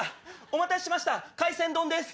お待たせしました海鮮丼です。